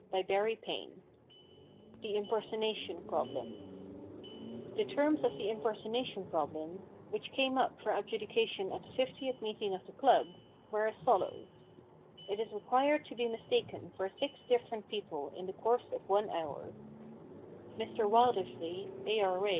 VIII THE IMPERSONATION PROBLEM The terms of the Impersonation Problem, which came up for adjudication at the fiftieth meeting of the club, were as follows :—* It is required to be mistaken for six different people in the course of one hour/ Mr Wildersley, A.R.A.